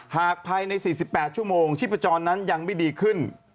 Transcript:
หากภายใน๔๘ชั่วโมงชีพจรนั้นยังไม่ดีขึ้น